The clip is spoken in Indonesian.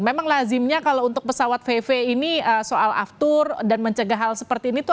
memang lazimnya kalau untuk pesawat vv ini soal aftur dan mencegah hal seperti ini tuh